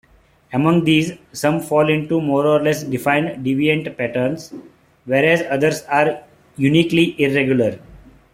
Among these, some fall into more-or-less defined deviant patterns, whereas others are uniquely irregular.